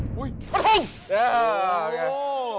ดึดดตุ๊ก